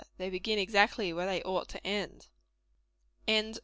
They begin exactly where they ought to end.